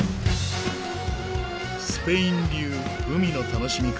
スペイン流海の楽しみ方。